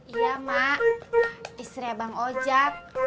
iya mak istrinya bang ojak